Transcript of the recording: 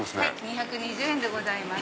２２０円でございます。